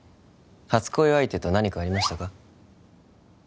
初恋相手と何かありましたか？